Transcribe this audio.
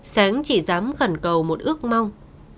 sáng chỉ dám khẩn cầu một ước mong